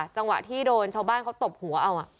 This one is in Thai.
จังหวะที่โดนชาวบ้านเขาตบหัวเอา